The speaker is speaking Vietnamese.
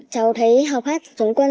cháu thấy học hát chống quân